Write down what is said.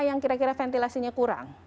yang kira kira ventilasinya kurang